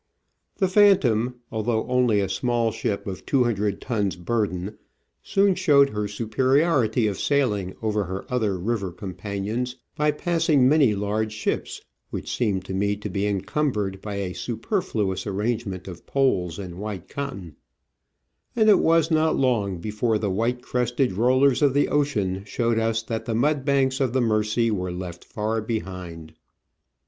The Phantom, although only a small ship of 200 tons burden, soon showed her superiority of sailing over her other river companions by passing many large ships, which seemed to me to be encumbered by a superfluous arrangement of poles and white cotton ; Digitized by VjOOQIC OF AN Orchid Hunter, 3 and it was not long before the white crested rollers of the ocean showed us that the mud banks of the Mersey were left far behind.